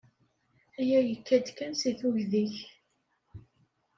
Aya yekka-d kan seg tugdi-ik.